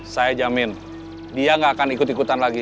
saya jamin dia gak akan ikut ikutan lagi